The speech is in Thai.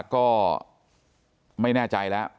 ก็ไม่แน่ใจแล้ว